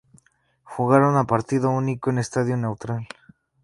Jugaron a partido único en estadio neutral.